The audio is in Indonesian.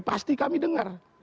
pasti kami dengar